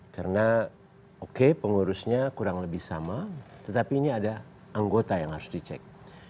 karena oke pengurusnya kurang lebih sama tetapi ini ada anggota yang harus dicek